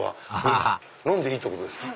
あ飲んでいいってことですか。